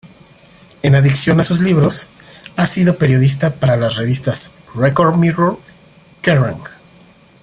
En adición a sus libros, ha sido periodista para las revistas "Record Mirror", "Kerrang!